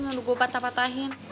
yang udah gue patah patahin